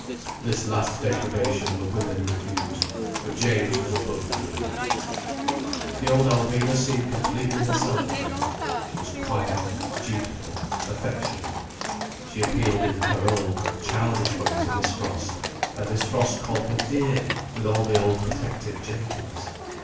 This last degradation the women refused. But James was above food. The old Alvina seemed completely herself again. She was quiet, dutiful, affectionate. She appealed in her old, childish way to Miss Frost, and Miss Frost called her "Dear!" with all the old protective gentleness.